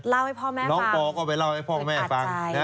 ให้พ่อแม่ฟังน้องปอก็ไปเล่าให้พ่อแม่ฟัง